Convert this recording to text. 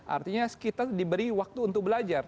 artinya kita diberi waktu untuk belajar